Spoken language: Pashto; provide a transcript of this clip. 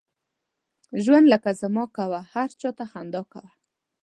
ژوند لکه زما کوه، هر چاته خندا کوه.